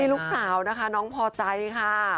ลูกสาวนะคะน้องพอใจค่ะ